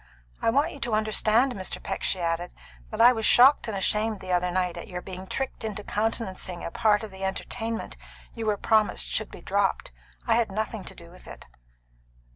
I want you to understand, Mr. Peck," she added, "that I was shocked and ashamed the other night at your being tricked into countenancing a part of the entertainment you were promised should be dropped. I had nothing to do with it."